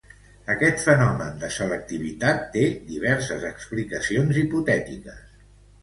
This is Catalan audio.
Aquest fenomen de selectivitat té diverses explicacions hipotètiques.